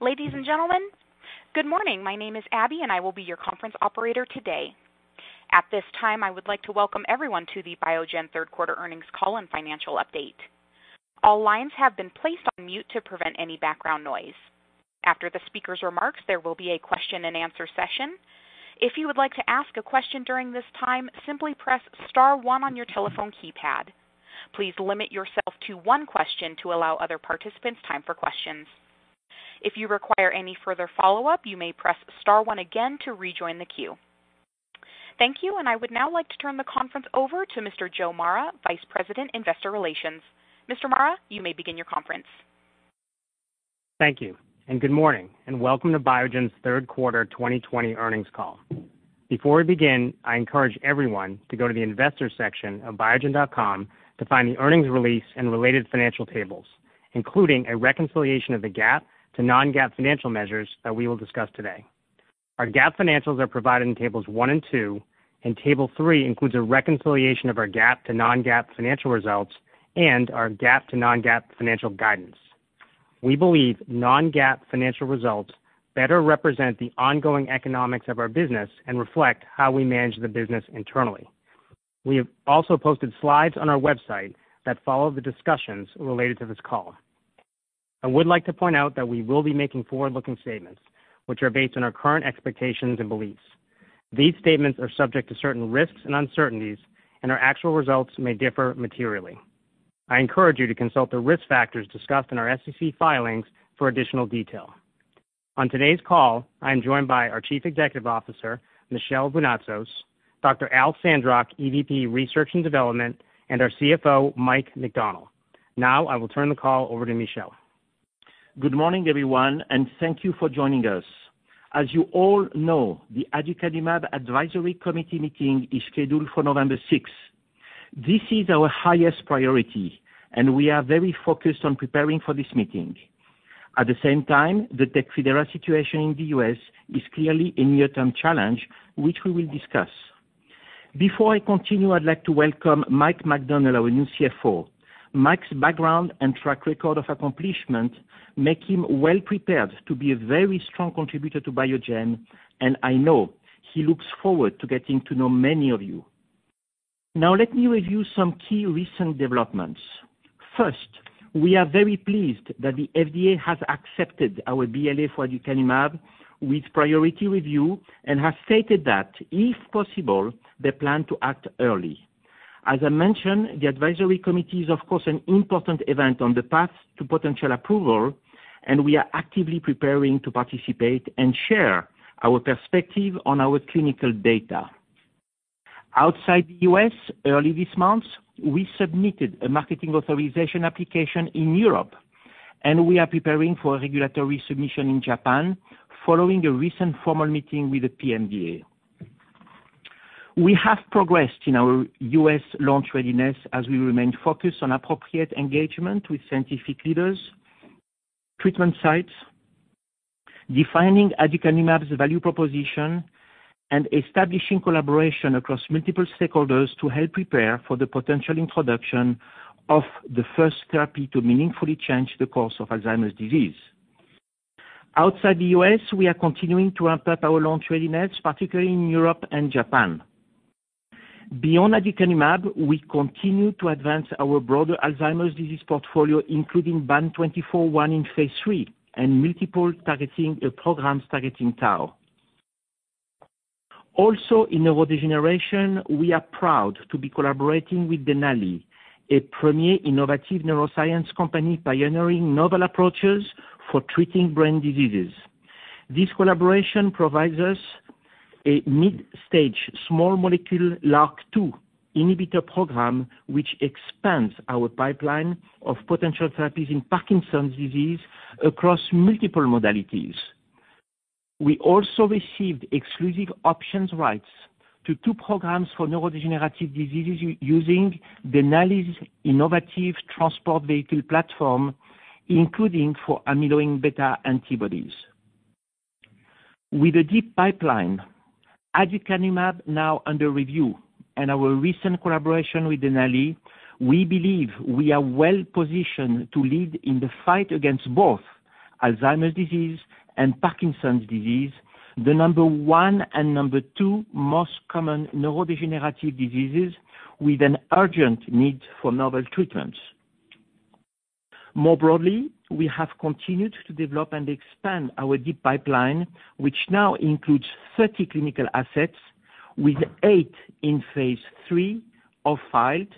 Ladies and gentlemen, good morning. My name is Abby, and I will be your conference operator today. At this time, I would like to welcome everyone to the Biogen Third Quarter Earnings Call and Financial Update. All lines have been placed on mute to prevent any background noise. After the speaker's remarks, there will be a question and answer session. If you would like to ask a question during this time, simply press star one on your telephone keypad. Please limit yourself to one question to allow other participants time for questions. If you require any further follow-up, you may press star one again to rejoin the queue. Thank you, and I would now like to turn the conference over to Mr. Joe Mara, Vice President, Investor Relations. Mr. Mara, you may begin your conference. Thank you, and good morning, and welcome to Biogen's third quarter 2020 earnings call. Before we begin, I encourage everyone to go to the Investors section of biogen.com to find the earnings release and related financial tables, including a reconciliation of the GAAP to non-GAAP financial measures that we will discuss today. Our GAAP financials are provided in Tables 1 and 2, and Table 3 includes a reconciliation of our GAAP to non-GAAP financial results and our GAAP to non-GAAP financial guidance. We believe non-GAAP financial results better represent the ongoing economics of our business and reflect how we manage the business internally. We have also posted slides on our website that follow the discussions related to this call. I would like to point out that we will be making forward-looking statements, which are based on our current expectations and beliefs. These statements are subject to certain risks and uncertainties, and our actual results may differ materially. I encourage you to consult the risk factors discussed in our SEC filings for additional detail. On today's call, I am joined by our Chief Executive Officer, Michel Vounatsos, Dr. Al Sandrock, EVP, Research and Development, and our CFO, Mike McDonnell. Now I will turn the call over to Michel. Good morning, everyone, and thank you for joining us. As you all know, the aducanumab advisory committee meeting is scheduled for November 6th. This is our highest priority, and we are very focused on preparing for this meeting. At the same time, the TECFIDERA situation in the U.S. is clearly a near-term challenge, which we will discuss. Before I continue, I'd like to welcome Mike McDonnell, our new CFO. Mike's background and track record of accomplishment make him well-prepared to be a very strong contributor to Biogen, and I know he looks forward to getting to know many of you. Now let me review some key recent developments. First, we are very pleased that the FDA has accepted our BLA for aducanumab with priority review and has stated that, if possible, they plan to act early. As I mentioned, the advisory committee is, of course, an important event on the path to potential approval, and we are actively preparing to participate and share our perspective on our clinical data. Outside the U.S. early this month, we submitted a marketing authorization application in Europe, and we are preparing for a regulatory submission in Japan following a recent formal meeting with the PMDA. We have progressed in our U.S. launch readiness as we remain focused on appropriate engagement with scientific leaders, treatment sites, defining aducanumab's value proposition, and establishing collaboration across multiple stakeholders to help prepare for the potential introduction of the first therapy to meaningfully change the course of Alzheimer's disease. Outside the U.S., we are continuing to ramp up our launch readiness, particularly in Europe and Japan. Beyond aducanumab, we continue to advance our broader Alzheimer's disease portfolio, including BAN2401 in phase III and multiple programs targeting tau. Also, in neurodegeneration, we are proud to be collaborating with Denali, a premier innovative neuroscience company pioneering novel approaches for treating brain diseases. This collaboration provides us a mid-stage, small molecule LRRK2 inhibitor program which expands our pipeline of potential therapies in Parkinson's disease across multiple modalities. We also received exclusive options rights to two programs for neurodegenerative diseases using Denali's innovative Transport Vehicle platform, including for amyloid beta antibodies. With a deep pipeline, aducanumab now under review, and our recent collaboration with Denali, we believe we are well-positioned to lead in the fight against both Alzheimer's disease and Parkinson's disease, the number one and number two most common neurodegenerative diseases with an urgent need for novel treatments. More broadly, we have continued to develop and expand our deep pipeline, which now includes 30 clinical assets with eight in phase III or filed,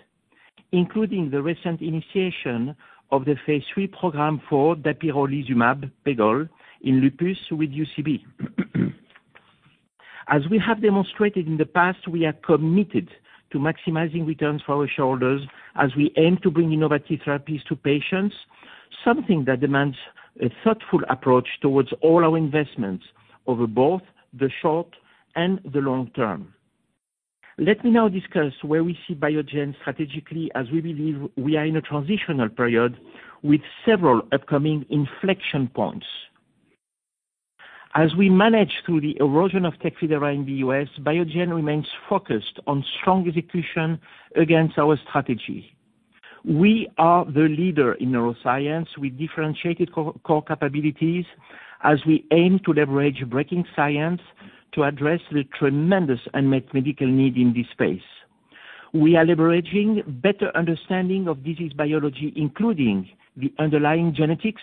including the recent initiation of the phase III program for dapirolizumab pegol in lupus with UCB. As we have demonstrated in the past, we are committed to maximizing returns for our shareholders as we aim to bring innovative therapies to patients, something that demands a thoughtful approach towards all our investments over both the short and the long term. Let me now discuss where we see Biogen strategically as we believe we are in a transitional period with several upcoming inflection points. As we manage through the erosion of TECFIDERA in the U.S., Biogen remains focused on strong execution against our strategy. We are the leader in neuroscience with differentiated core capabilities as we aim to leverage breaking science to address the tremendous unmet medical need in this space. We are leveraging better understanding of disease biology, including the underlying genetics,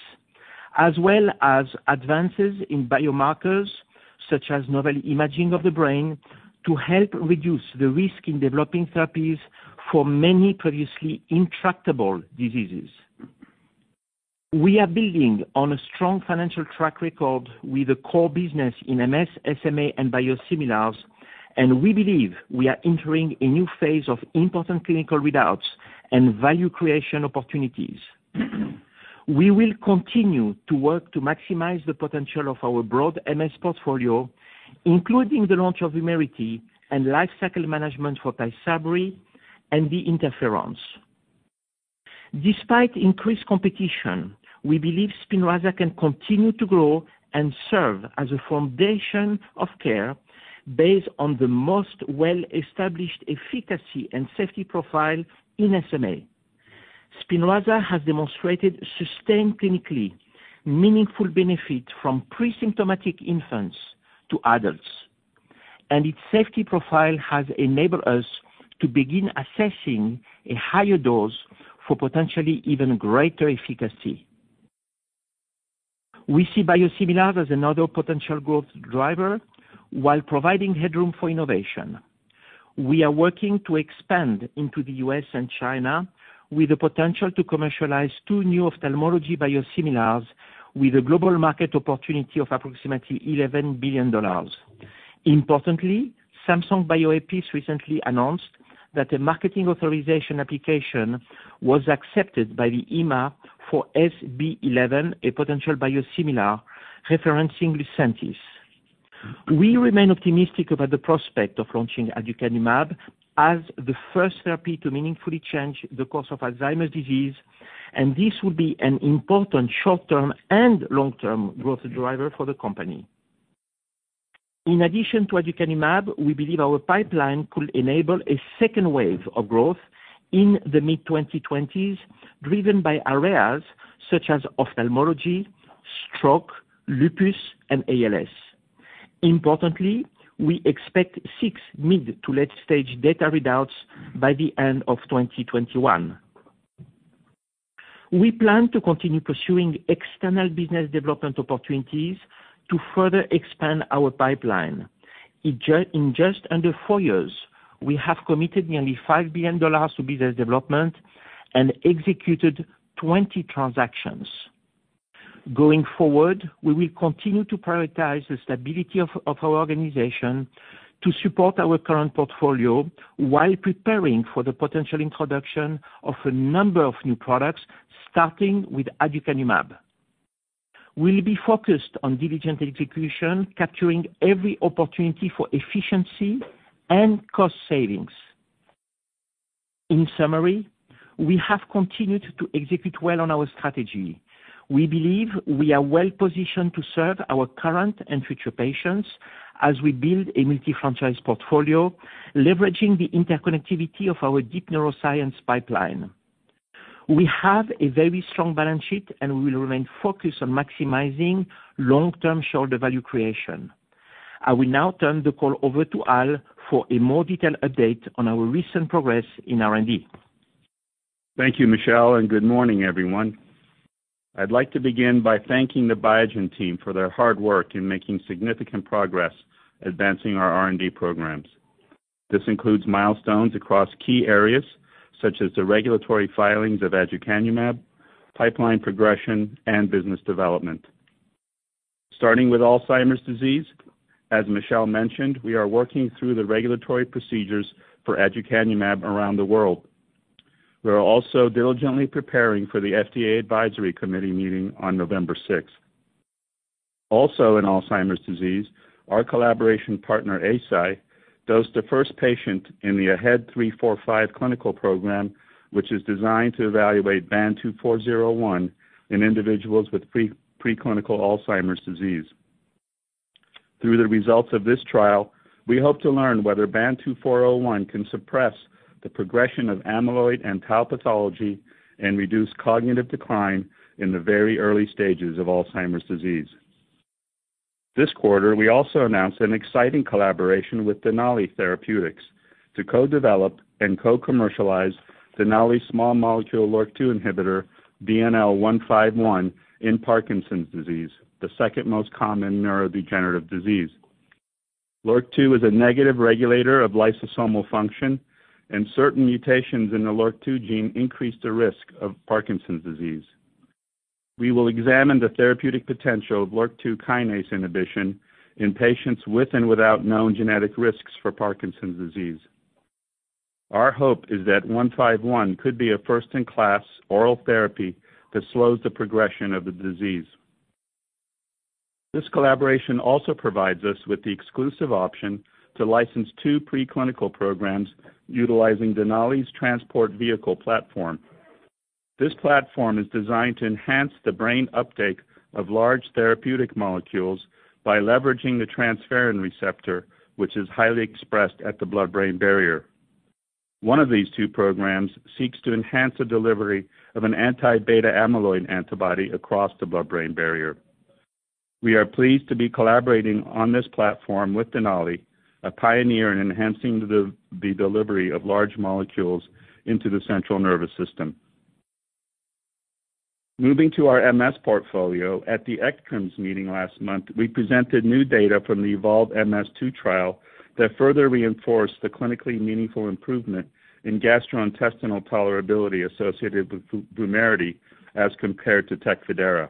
as well as advances in biomarkers such as novel imaging of the brain to help reduce the risk in developing therapies for many previously intractable diseases. We are building on a strong financial track record with a core business in MS, SMA, and biosimilars, and we believe we are entering a new phase of important clinical readouts and value creation opportunities. We will continue to work to maximize the potential of our broad MS portfolio, including the launch of VUMERITY and lifecycle management for TYSABRI and the interferons. Despite increased competition, we believe SPINRAZA can continue to grow and serve as a foundation of care based on the most well-established efficacy and safety profile in SMA. SPINRAZA has demonstrated sustained clinically meaningful benefit from pre-symptomatic infants to adults, and its safety profile has enabled us to begin assessing a higher dose for potentially even greater efficacy. We see biosimilars as another potential growth driver while providing headroom for innovation. We are working to expand into the U.S. and China with the potential to commercialize two new ophthalmology biosimilars with a global market opportunity of approximately $11 billion. Importantly, Samsung Bioepis recently announced that a marketing authorization application was accepted by the EMA for SB11, a potential biosimilar referencing LUCENTIS. We remain optimistic about the prospect of launching aducanumab as the first therapy to meaningfully change the course of Alzheimer's disease, and this will be an important short-term and long-term growth driver for the company. In addition to aducanumab, we believe our pipeline could enable a second wave of growth in the mid-2020s, driven by areas such as ophthalmology, stroke, lupus, and ALS. Importantly, we expect six mid- to late-stage data readouts by the end of 2021. We plan to continue pursuing external business development opportunities to further expand our pipeline. In just under four years, we have committed nearly $5 billion to business development and executed 20 transactions. Going forward, we will continue to prioritize the stability of our organization to support our current portfolio while preparing for the potential introduction of a number of new products, starting with aducanumab. We'll be focused on diligent execution, capturing every opportunity for efficiency and cost savings. In summary, we have continued to execute well on our strategy. We believe we are well-positioned to serve our current and future patients as we build a multi-franchise portfolio, leveraging the interconnectivity of our deep neuroscience pipeline. We have a very strong balance sheet, and we will remain focused on maximizing long-term shareholder value creation. I will now turn the call over to Al for a more detailed update on our recent progress in R&D. Thank you, Michel, and good morning, everyone. I'd like to begin by thanking the Biogen team for their hard work in making significant progress advancing our R&D programs. This includes milestones across key areas such as the regulatory filings of aducanumab, pipeline progression, and business development. Starting with Alzheimer's disease, as Michel mentioned, we are working through the regulatory procedures for aducanumab around the world. We are also diligently preparing for the FDA Advisory Committee meeting on November 6th. Also in Alzheimer's disease, our collaboration partner, Eisai, dosed the first patient in the AHEAD 3-45 clinical program, which is designed to evaluate BAN2401 in individuals with preclinical Alzheimer's disease. Through the results of this trial, we hope to learn whether BAN2401 can suppress the progression of amyloid and tau pathology and reduce cognitive decline in the very early stages of Alzheimer's disease. This quarter, we also announced an exciting collaboration with Denali Therapeutics to co-develop and co-commercialize Denali's small molecule LRRK2 inhibitor, DNL151, in Parkinson's disease, the second most common neurodegenerative disease. LRRK2 is a negative regulator of lysosomal function, and certain mutations in the LRRK2 gene increase the risk of Parkinson's disease. We will examine the therapeutic potential of LRRK2 kinase inhibition in patients with and without known genetic risks for Parkinson's disease. Our hope is that 151 could be a first-in-class oral therapy that slows the progression of the disease. This collaboration also provides us with the exclusive option to license two pre-clinical programs utilizing Denali's Transport Vehicle platform. This platform is designed to enhance the brain uptake of large therapeutic molecules by leveraging the transferrin receptor, which is highly expressed at the blood-brain barrier. One of these two programs seeks to enhance the delivery of an anti-beta amyloid antibody across the blood-brain barrier. We are pleased to be collaborating on this platform with Denali, a pioneer in enhancing the delivery of large molecules into the central nervous system. Moving to our MS portfolio. At the ECTRIMS meeting last month, we presented new data from the EVOLVE-MS-2 trial that further reinforced the clinically meaningful improvement in gastrointestinal tolerability associated with VUMERITY as compared to TECFIDERA.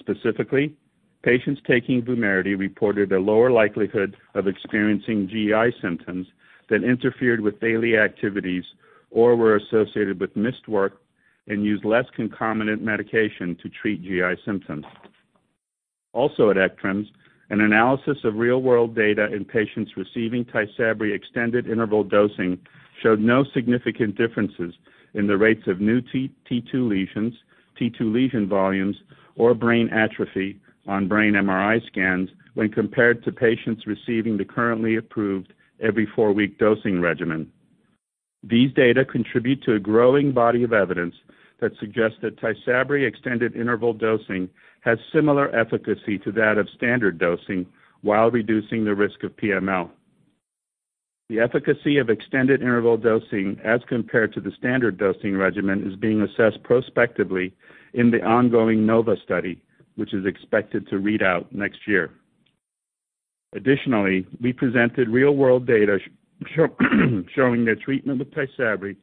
Specifically, patients taking VUMERITY reported a lower likelihood of experiencing GI symptoms that interfered with daily activities or were associated with missed work and used less concomitant medication to treat GI symptoms. Also at ECTRIMS, an analysis of real-world data in patients receiving TYSABRI extended interval dosing showed no significant differences in the rates of new T2 lesions, T2 lesion volumes, or brain atrophy on brain MRI scans when compared to patients receiving the currently approved every-four-week dosing regimen. These data contribute to a growing body of evidence that suggests that TYSABRI extended interval dosing has similar efficacy to that of standard dosing while reducing the risk of PML. The efficacy of extended interval dosing as compared to the standard dosing regimen is being assessed prospectively in the ongoing NOVA study, which is expected to read out next year. Additionally, we presented real-world data showing that treatment with TYSABRI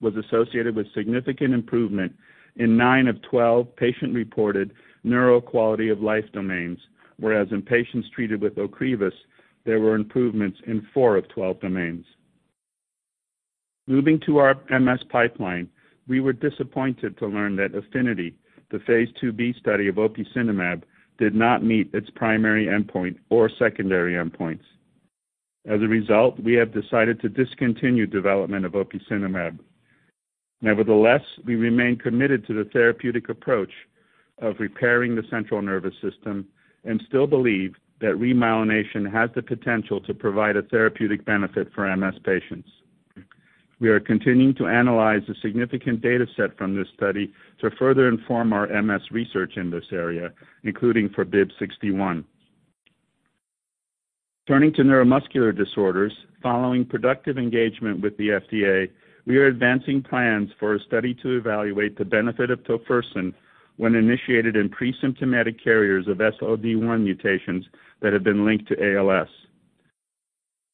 was associated with significant improvement in nine of 12 patient-reported neuro quality of life domains, whereas in patients treated with OCREVUS, there were improvements in four of 12 domains. Moving to our MS pipeline, we were disappointed to learn that AFFINITY, the phase II-B study of opicinumab, did not meet its primary endpoint or secondary endpoints. As a result, we have decided to discontinue development of opicinumab. Nevertheless, we remain committed to the therapeutic approach of repairing the central nervous system and still believe that remyelination has the potential to provide a therapeutic benefit for MS patients. We are continuing to analyze a significant data set from this study to further inform our MS research in this area, including for BIIB061. Turning to neuromuscular disorders. Following productive engagement with the FDA, we are advancing plans for a study to evaluate the benefit of tofersen when initiated in presymptomatic carriers of SOD1 mutations that have been linked to ALS.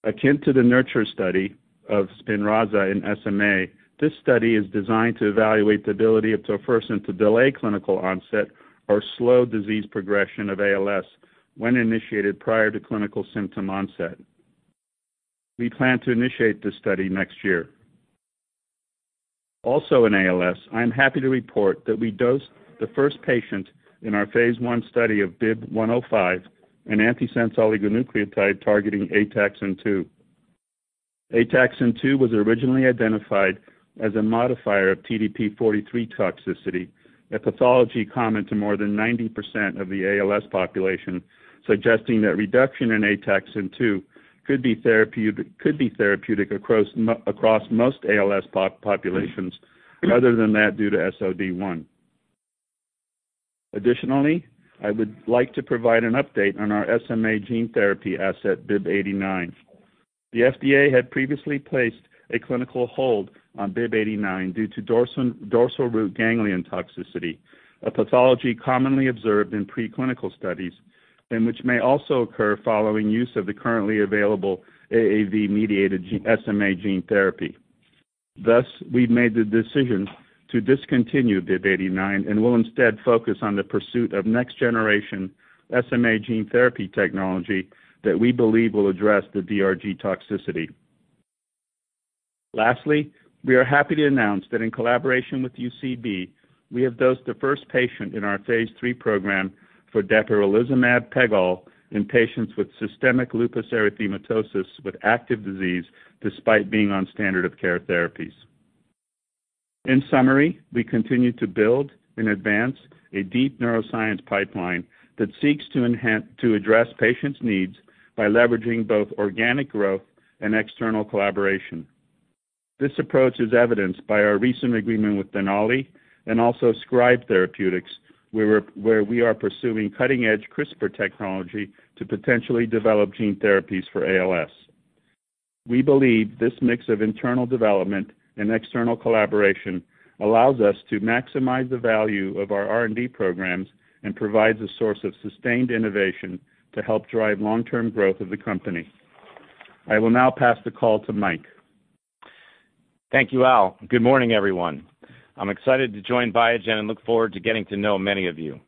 Akin to the NURTURE study of SPINRAZA in SMA, this study is designed to evaluate the ability of tofersen to delay clinical onset or slow disease progression of ALS when initiated prior to clinical symptom onset. We plan to initiate this study next year. Also in ALS, I am happy to report that we dosed the first patient in our Phase I study of BIIB105, an antisense oligonucleotide targeting ataxin-2. Ataxin-2 was originally identified as a modifier of TDP-43 toxicity, a pathology common to more than 90% of the ALS population, suggesting that reduction in ataxin-2 could be therapeutic across most ALS populations other than that due to SOD1. Additionally, I would like to provide an update on our SMA gene therapy asset, BIIB089. The FDA had previously placed a clinical hold on BIIB089 due to dorsal root ganglion toxicity, a pathology commonly observed in preclinical studies and which may also occur following use of the currently available AAV-mediated SMA gene therapy. We've made the decision to discontinue BIIB089 and will instead focus on the pursuit of next-generation SMA gene therapy technology that we believe will address the DRG toxicity. We are happy to announce that in collaboration with UCB, we have dosed the first patient in our phase III program for dapirolizumab pegol in patients with systemic lupus erythematosus with active disease, despite being on standard of care therapies. In summary, we continue to build and advance a deep neuroscience pipeline that seeks to address patients' needs by leveraging both organic growth and external collaboration. This approach is evidenced by our recent agreement with Denali and also Scribe Therapeutics, where we are pursuing cutting-edge CRISPR technology to potentially develop gene therapies for ALS. We believe this mix of internal development and external collaboration allows us to maximize the value of our R&D programs and provides a source of sustained innovation to help drive long-term growth of the company. I will now pass the call to Mike. Thank you, Al. Good morning, everyone. I'm excited to join Biogen and look forward to getting to know many of you.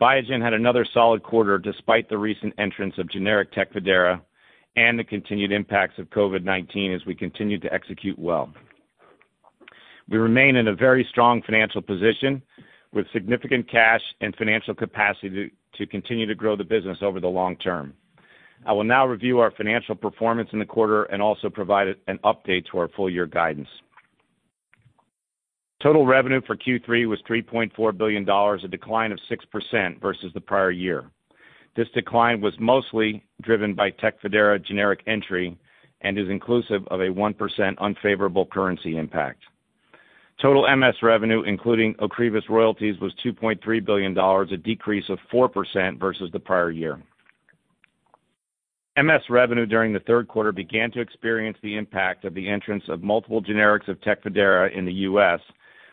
Biogen had another solid quarter despite the recent entrance of generic TECFIDERA and the continued impacts of COVID-19 as we continued to execute well. We remain in a very strong financial position with significant cash and financial capacity to continue to grow the business over the long term. I will now review our financial performance in the quarter and also provide an update to our full year guidance. Total revenue for Q3 was $3.4 billion, a decline of 6% versus the prior year. This decline was mostly driven by TECFIDERA generic entry and is inclusive of a 1% unfavorable currency impact. Total MS revenue, including OCREVUS royalties, was $2.3 billion, a decrease of 4% versus the prior year. MS revenue during the third quarter began to experience the impact of the entrance of multiple generics of TECFIDERA in the U.S.,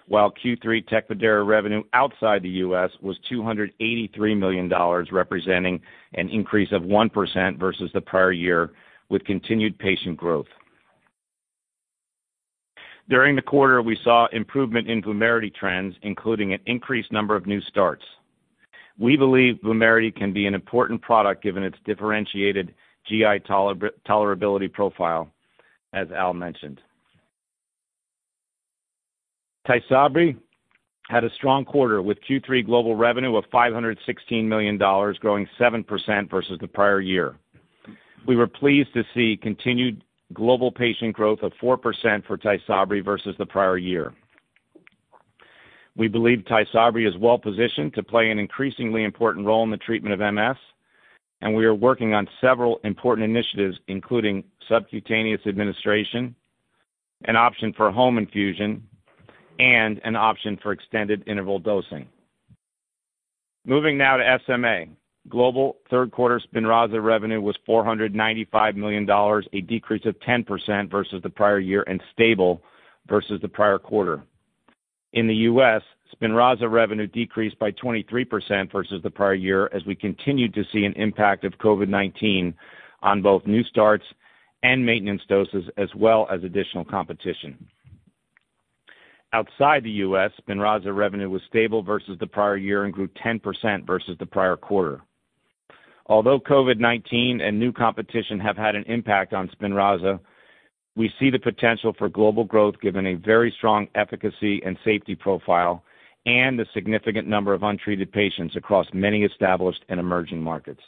while Q3 TECFIDERA revenue outside the U.S. was $283 million, representing an increase of 1% versus the prior year, with continued patient growth. During the quarter, we saw improvement in VUMERITY trends, including an increased number of new starts. We believe VUMERITY can be an important product given its differentiated GI tolerability profile, as Al mentioned. TYSABRI had a strong quarter, with Q3 global revenue of $516 million, growing 7% versus the prior year. We were pleased to see continued global patient growth of 4% for TYSABRI versus the prior year. We believe TYSABRI is well positioned to play an increasingly important role in the treatment of MS. We are working on several important initiatives, including subcutaneous administration, an option for home infusion, and an option for extended interval dosing. Moving now to SMA. Global third quarter SPINRAZA revenue was $495 million, a decrease of 10% versus the prior year and stable versus the prior quarter. In the U.S., SPINRAZA revenue decreased by 23% versus the prior year, as we continued to see an impact of COVID-19 on both new starts and maintenance doses, as well as additional competition. Outside the U.S., SPINRAZA revenue was stable versus the prior year and grew 10% versus the prior quarter. Although COVID-19 and new competition have had an impact on SPINRAZA, we see the potential for global growth given a very strong efficacy and safety profile and the significant number of untreated patients across many established and emerging markets.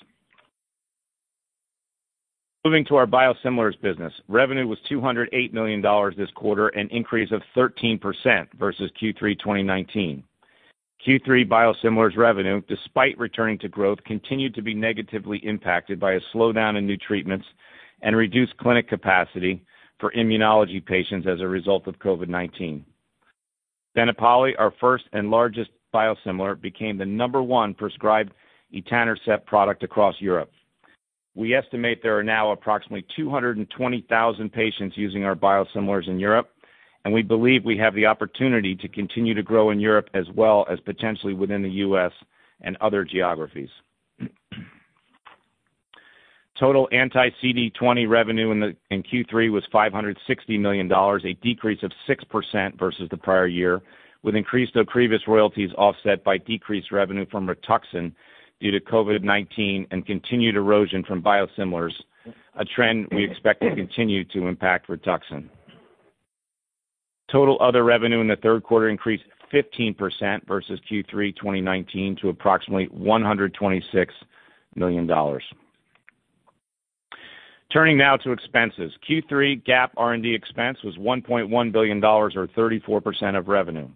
Moving to our biosimilars business. Revenue was $208 million this quarter, an increase of 13% versus Q3 2019. Q3 biosimilars revenue, despite returning to growth, continued to be negatively impacted by a slowdown in new treatments and reduced clinic capacity for immunology patients as a result of COVID-19. BENEPALI, our first and largest biosimilar, became the number one prescribed etanercept product across Europe. We estimate there are now approximately 220,000 patients using our biosimilars in Europe, and we believe we have the opportunity to continue to grow in Europe as well as potentially within the U.S. and other geographies. Total anti-CD20 revenue in Q3 was $560 million, a decrease of 6% versus the prior year, with increased OCREVUS royalties offset by decreased revenue from RITUXAN due to COVID-19 and continued erosion from biosimilars, a trend we expect to continue to impact RITUXAN. Total other revenue in the third quarter increased 15% versus Q3 2019 to approximately $126 million. Turning now to expenses. Q3 GAAP R&D expense was $1.1 billion, or 34% of revenue.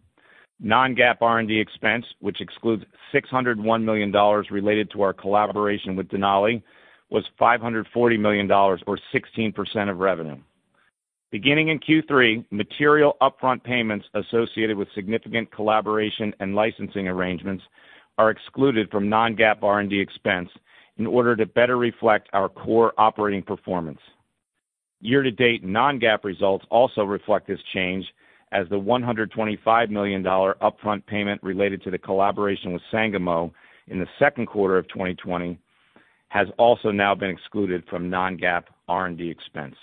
Non-GAAP R&D expense, which excludes $601 million related to our collaboration with Denali, was $540 million or 16% of revenue. Beginning in Q3, material upfront payments associated with significant collaboration and licensing arrangements are excluded from non-GAAP R&D expense in order to better reflect our core operating performance. Year to date, non-GAAP results also reflect this change as the $125 million upfront payment related to the collaboration with Sangamo in the second quarter of 2020 has also now been excluded from non-GAAP R&D expense.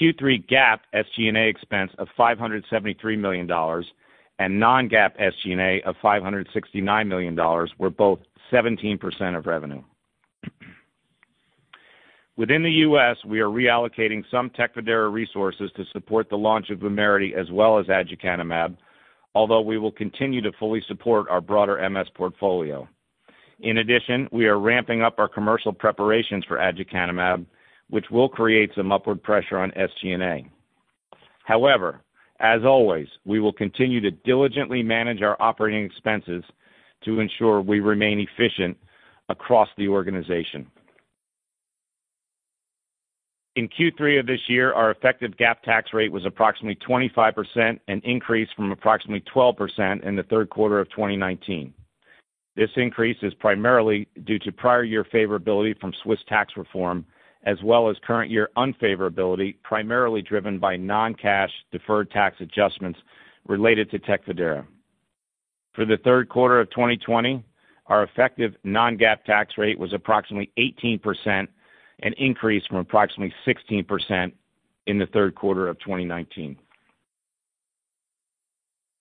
Q3 GAAP SG&A expense of $573 million and non-GAAP SG&A of $569 million were both 17% of revenue. Within the U.S., we are reallocating some TECFIDERA resources to support the launch of VUMERITY as well as aducanumab, although we will continue to fully support our broader MS portfolio. In addition, we are ramping up our commercial preparations for aducanumab, which will create some upward pressure on SG&A. However, as always, we will continue to diligently manage our operating expenses to ensure we remain efficient across the organization. In Q3 of this year, our effective GAAP tax rate was approximately 25%, an increase from approximately 12% in the third quarter of 2019. This increase is primarily due to prior year favorability from Swiss tax reform, as well as current year unfavorability primarily driven by non-cash deferred tax adjustments to TECFIDERA. For the third quarter of 2020, our effective non-GAAP tax rate was approximately 18%, an increase from approximately 16% in the third quarter of 2019.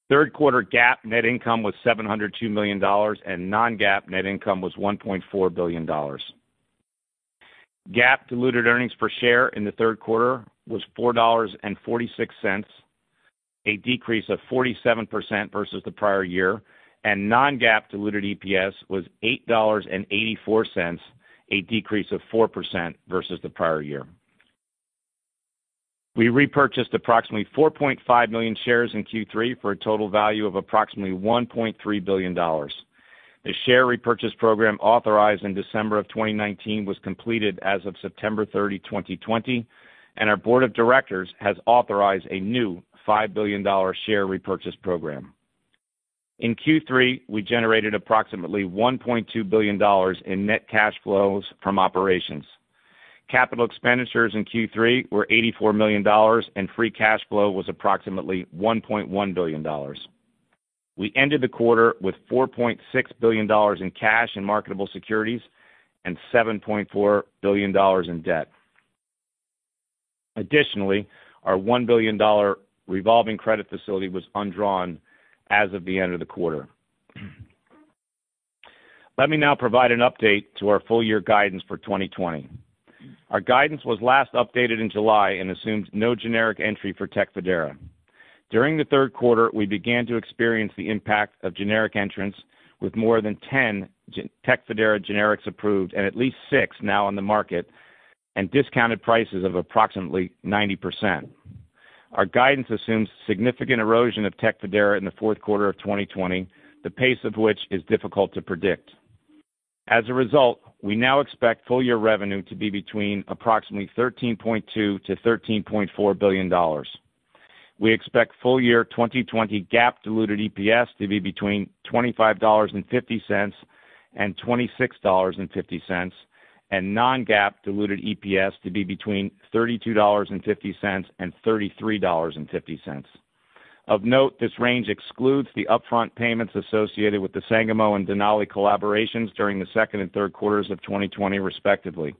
Third quarter GAAP net income was $702 million, and non-GAAP net income was $1.4 billion. GAAP diluted earnings per share in the third quarter was $4.46, a decrease of 47% versus the prior year, and non-GAAP diluted EPS was $8.84, a decrease of 4% versus the prior year. We repurchased approximately 4.5 million shares in Q3 for a total value of approximately $1.3 billion. The share repurchase program authorized in December of 2019 was completed as of September 30, 2020, and our board of directors has authorized a new $5 billion share repurchase program. In Q3, we generated approximately $1.2 billion in net cash flows from operations. Capital expenditures in Q3 were $84 million, and free cash flow was approximately $1.1 billion. We ended the quarter with $4.6 billion in cash and marketable securities and $7.4 billion in debt. Additionally, our $1 billion revolving credit facility was undrawn as of the end of the quarter. Let me now provide an update to our full-year guidance for 2020. Our guidance was last updated in July and assumes no generic entry for TECFIDERA. During the third quarter, we began to experience the impact of generic entrants with more than 10 TECFIDERA generics approved and at least six now on the market, and discounted prices of approximately 90%. Our guidance assumes significant erosion of TECFIDERA in the fourth quarter of 2020, the pace of which is difficult to predict. As a result, we now expect full-year revenue to be between approximately $13.2 billion-$13.4 billion. We expect full-year 2020 GAAP diluted EPS to be between $25.50 and $26.50, and non-GAAP diluted EPS to be between $32.50 and $33.50. Of note, this range excludes the upfront payments associated with the Sangamo and Denali collaborations during the second and third quarters of 2020, respectively.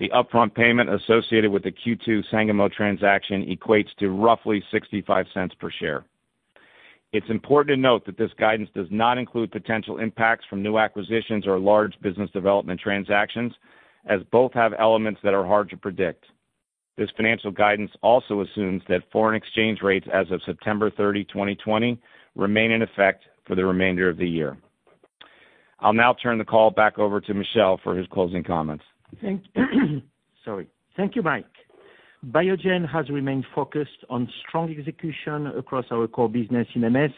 The upfront payment associated with the Q2 Sangamo transaction equates to roughly $0.65 per share. It's important to note that this guidance does not include potential impacts from new acquisitions or large business development transactions, as both have elements that are hard to predict. This financial guidance also assumes that foreign exchange rates as of September 30, 2020, remain in effect for the remainder of the year. I'll now turn the call back over to Michel for his closing comments. Thank you, Mike. Biogen has remained focused on strong execution across our core business in MS,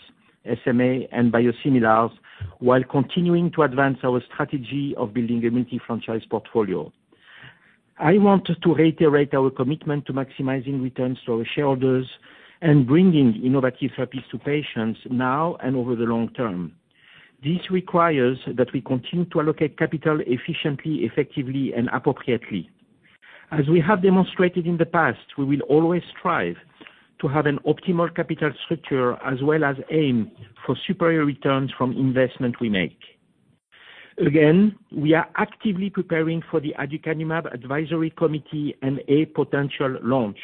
SMA, and biosimilars, while continuing to advance our strategy of building a multi-franchise portfolio. I want to reiterate our commitment to maximizing returns to our shareholders and bringing innovative therapies to patients now and over the long term. This requires that we continue to allocate capital efficiently, effectively, and appropriately. As we have demonstrated in the past, we will always strive to have an optimal capital structure as well as aim for superior returns from investment we make. Again, we are actively preparing for the aducanumab advisory committee and a potential launch.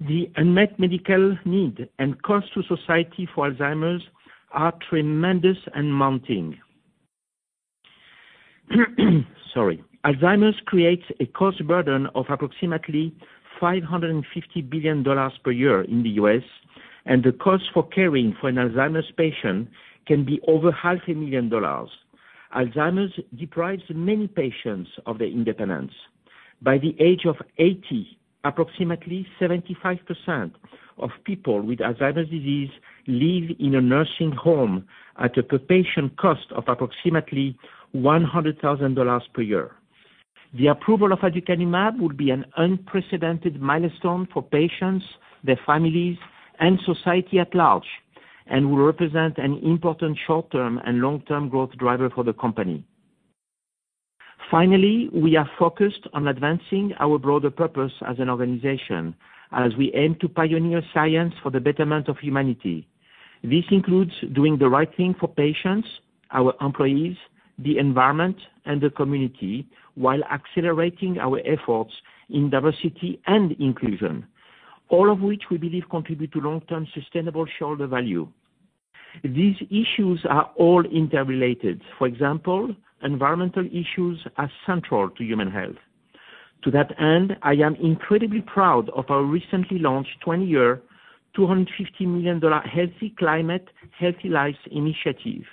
The unmet medical need and cost to society for Alzheimer's are tremendous and mounting. Alzheimer's creates a cost burden of approximately $550 billion per year in the U.S., and the cost for caring for an Alzheimer's patient can be over $500,000. Alzheimer's deprives many patients of their independence. By the age of 80, approximately 75% of people with Alzheimer's disease live in a nursing home at a per-patient cost of approximately $100,000 per year. The approval of aducanumab would be an unprecedented milestone for patients, their families, and society at large and will represent an important short-term and long-term growth driver for the company. Finally, we are focused on advancing our broader purpose as an organization as we aim to pioneer science for the betterment of humanity. This includes doing the right thing for patients, our employees, the environment, and the community, while accelerating our efforts in diversity and inclusion, all of which we believe contribute to long-term sustainable shareholder value. These issues are all interrelated. For example, environmental issues are central to human health. To that end, I am incredibly proud of our recently launched 20-year, $250 million Healthy Climate, Healthy Lives initiative.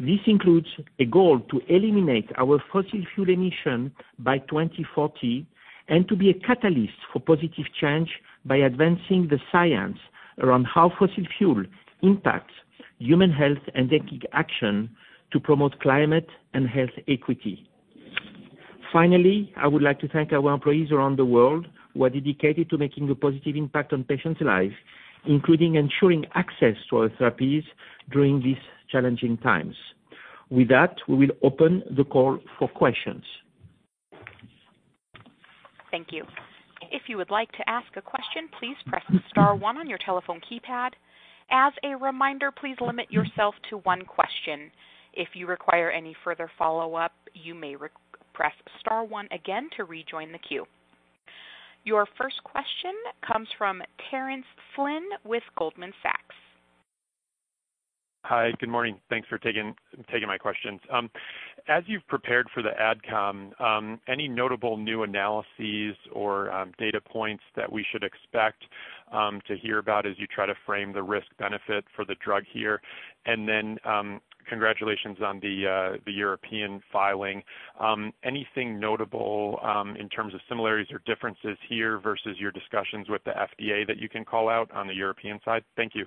This includes a goal to eliminate our fossil fuel emission by 2040 and to be a catalyst for positive change by advancing the science around how fossil fuel impacts human health and taking action to promote climate and health equity. Finally, I would like to thank our employees around the world who are dedicated to making a positive impact on patients' lives, including ensuring access to our therapies during these challenging times. With that, we will open the call for questions. Thank you. If you would like to ask a question, please press star one on your telephone keypad. As a reminder, please limit yourself to one question. If you require any further follow-up, you may press star one again to rejoin the queue. Your first question comes from Terence Flynn with Goldman Sachs. Hi, good morning. Thanks for taking my questions. As you've prepared for the ad com, any notable new analyses or data points that we should expect to hear about as you try to frame the risk-benefit for the drug here? Congratulations on the European filing. Anything notable in terms of similarities or differences here versus your discussions with the FDA that you can call out on the European side? Thank you.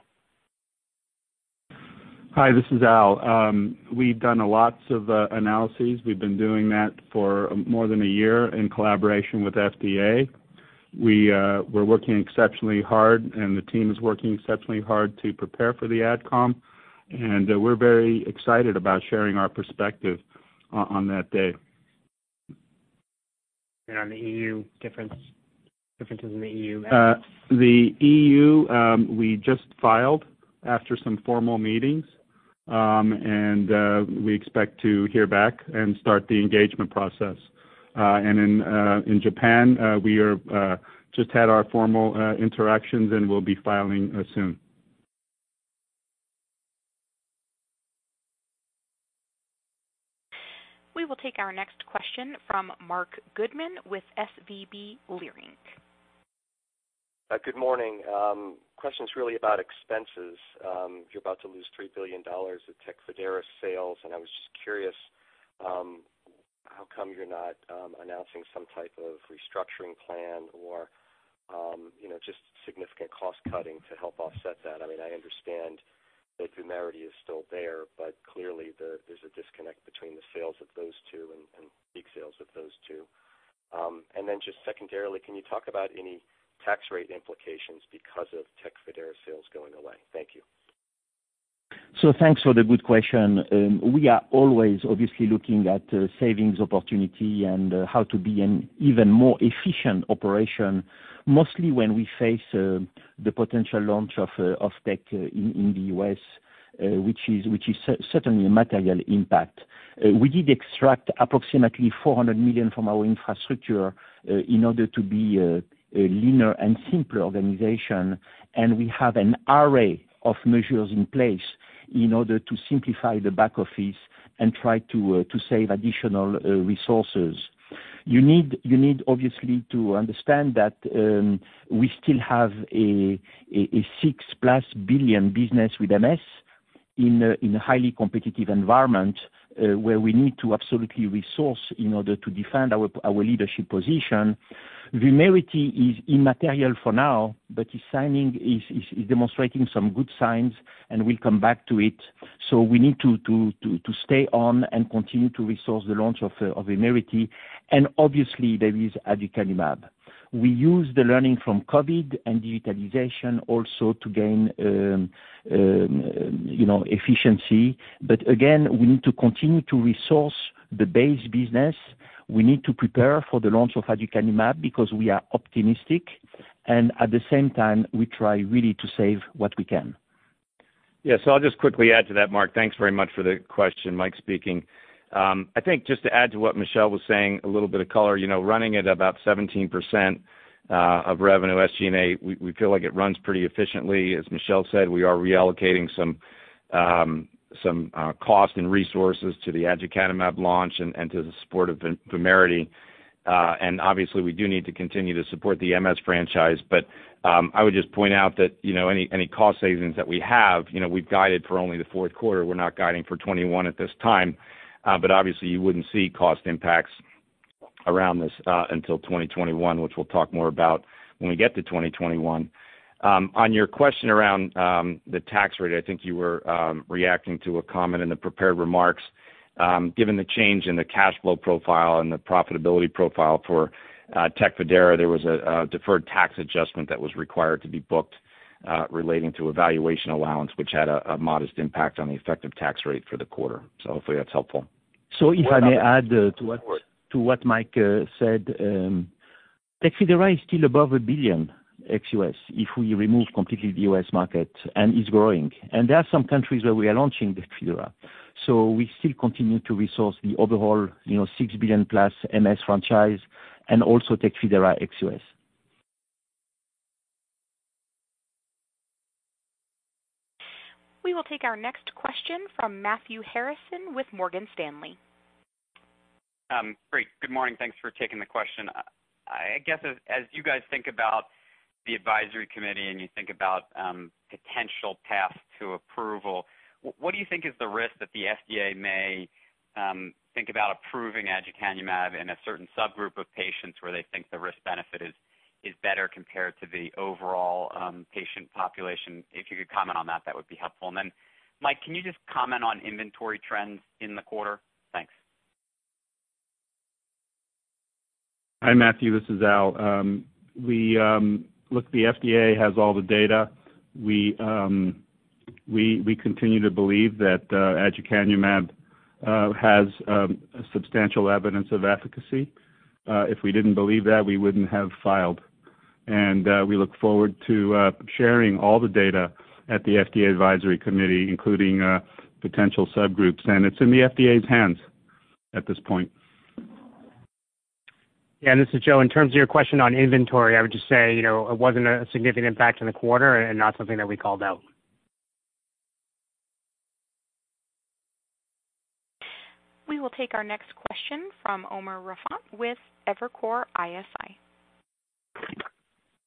Hi, this is Al. We've done a lot of analyses. We've been doing that for more than a year in collaboration with FDA. We're working exceptionally hard, and the team is working exceptionally hard to prepare for the ad com, and we're very excited about sharing our perspective on that day. On the EU, differences in the EU, maybe? The EU, we just filed after some formal meetings. We expect to hear back and start the engagement process. In Japan, we just had our formal interactions and will be filing soon. We will take our next question from Marc Goodman with SVB Leerink. Good morning. Question's really about expenses. You're about to lose $3 billion of TECFIDERA sales. I was just curious how come you're not announcing some type of restructuring plan or just significant cost-cutting to help offset that. I understand that VUMERITY is still there, but clearly there's a disconnect between the sales of those two and peak sales of those two. Just secondarily, can you talk about any tax rate implications because of TECFIDERA sales going away? Thank you. Thanks for the good question. We are always obviously looking at savings opportunity and how to be an even more efficient operation, mostly when we face the potential launch of TECFIDERA in the U.S., which is certainly a material impact. We did extract approximately $400 million from our infrastructure in order to be a leaner and simpler organization. We have an array of measures in place in order to simplify the back office and try to save additional resources. You need obviously to understand that we still have a $6+ billion business with MS in a highly competitive environment where we need to absolutely resource in order to defend our leadership position. VUMERITY is immaterial for now, is demonstrating some good signs, and we'll come back to it. We need to stay on and continue to resource the launch of VUMERITY. Obviously, there is aducanumab. We use the learning from COVID and digitization also to gain efficiency. Again, we need to continue to resource the base business. We need to prepare for the launch of aducanumab because we are optimistic. At the same time, we try really to save what we can. I'll just quickly add to that, Marc. Thanks very much for the question. Mike speaking. I think just to add to what Michel was saying, a little bit of color. Running at about 17% of revenue SG&A, we feel like it runs pretty efficiently. As Michel said, we are reallocating some cost and resources to the aducanumab launch and to the support of VUMERITY. Obviously, we do need to continue to support the MS franchise. I would just point out that any cost savings that we have, we've guided for only the fourth quarter. We're not guiding for 2021 at this time. Obviously you wouldn't see cost impacts around this until 2021, which we'll talk more about when we get to 2021. On your question around the tax rate, I think you were reacting to a comment in the prepared remarks. Given the change in the cash flow profile and the profitability profile for TECFIDERA, there was a deferred tax adjustment that was required to be booked relating to a valuation allowance, which had a modest impact on the effective tax rate for the quarter. Hopefully that's helpful. If I may add to what Mike said. TECFIDERA is still above $1 billion ex-U.S. if we remove completely the U.S. market, and is growing. There are some countries where we are launching TECFIDERA. We still continue to resource the overall $6+ billion MS franchise and also TECFIDERA x U.S. We will take our next question from Matthew Harrison with Morgan Stanley. Great. Good morning. Thanks for taking the question. I guess as you guys think about the advisory committee and you think about potential paths to approval, what do you think is the risk that the FDA may think about approving aducanumab in a certain subgroup of patients where they think the risk-benefit is better compared to the overall patient population? If you could comment on that would be helpful. Mike, can you just comment on inventory trends in the quarter? Thanks. Hi, Matthew. This is Al. Look, the FDA has all the data. We continue to believe that aducanumab has substantial evidence of efficacy. If we didn't believe that, we wouldn't have filed. We look forward to sharing all the data at the FDA advisory committee, including potential subgroups. It's in the FDA's hands at this point. This is Joe. In terms of your question on inventory, I would just say, it wasn't a significant impact in the quarter and not something that we called out. We will take our next question from Umer Raffat with Evercore ISI.